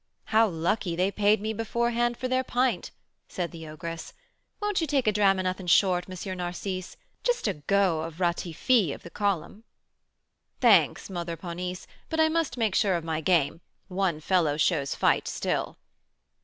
"How lucky they paid me beforehand for their pint!" said the ogress. "Won't you take a dram o' nothin' 'short,' M. Narcisse? Just a 'go' of 'Ratifi' of the Column.'" "Thanks, Mother Ponisse, but I must make sure of my game; one fellow shows fight still."